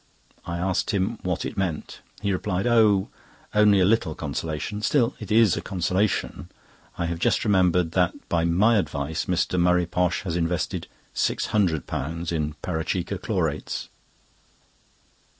I asked him what it meant. He replied: "Oh! only a little consolation—still it is a consolation. I have just remembered that, by my advice, Mr. Murray Posh has invested £600 in Parachikka Chlorates!"